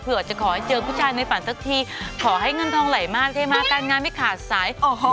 จะขอให้เจอผู้ชายในฝันสักทีขอให้เงินทองไหลมาเทมาการงานไม่ขาดสาย